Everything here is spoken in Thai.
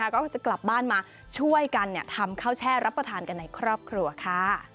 ก็จะกลับบ้านมาช่วยกันทำข้าวแช่รับประทานกันในครอบครัวค่ะ